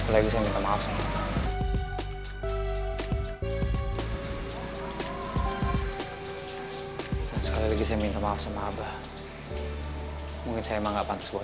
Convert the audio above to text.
dan sekali lagi saya minta maaf sama abah